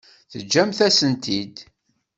Teǧǧamt-asent-t-id.